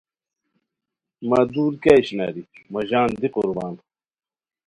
مہ دُور کیہ اشناری مہ ژان دی قربان